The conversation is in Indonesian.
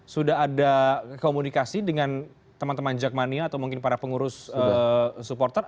sudah ada komunikasi dengan teman teman jakmania atau mungkin para pengurus supporter